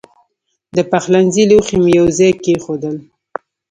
د پخلنځي لوښي مې یو ځای کېښودل.